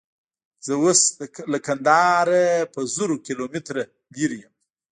زه اوس له کندهاره په زرو کیلومتره لیرې یم.